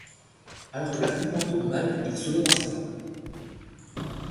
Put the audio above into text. Alors que l'affrontement tourne mal il est sauvé par sa femme.